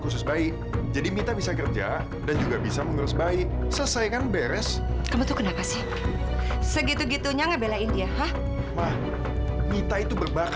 sekali mama bilang tidak tidak